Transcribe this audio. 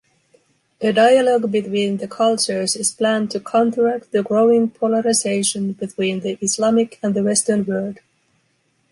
A dialog between the cultures is planned to counteract the growing polarization between the Islamic and the Western world.